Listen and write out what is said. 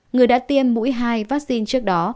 người đã tiêm mũi hai vaccine trước đó